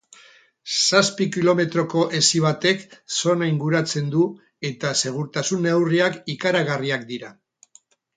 Zazpi kilometroko hesi batek zona inguratzen du eta segurtasun neurriak ikaragarriak dira.